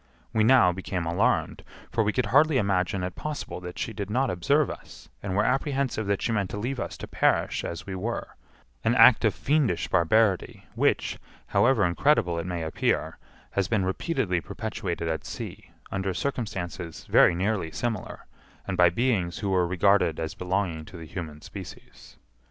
We now became alarmed, for we could hardly imagine it possible that she did not observe us, and were apprehensive that she meant to leave us to perish as we were—an act of fiendish barbarity, which, however incredible it may appear, has been repeatedly perpetuated at sea, under circumstances very nearly similar, and by beings who were regarded as belonging to the human species.